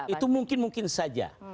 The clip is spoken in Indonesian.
itu mungkin mungkin saja